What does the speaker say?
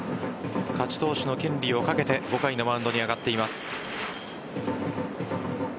勝ち投手の権利をかけて５回のマウンドに上がっています。